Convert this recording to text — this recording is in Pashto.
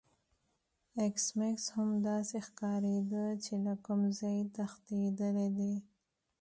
ایس میکس هم داسې ښکاریده چې له کوم ځای تښتیدلی دی